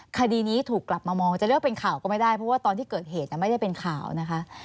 คดีนี้ถูกกลับมามองจะเลือกเป็นข่าวก็ไม่ได้เพราะว่าตอนที่เกิดเหตุไม่ได้เป็นข่าวนะคะ